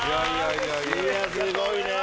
いやすごいね！